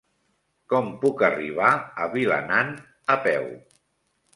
Com puc arribar a Vilanant a peu?